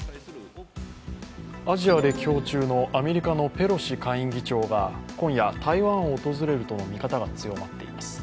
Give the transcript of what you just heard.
アジアを歴訪中のアメリカのペロシ下院議長が今夜、台湾を訪れるとの見方が強まっています。